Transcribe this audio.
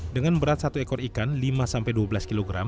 dengan berat satu ekor ikan lima sampai dua belas kg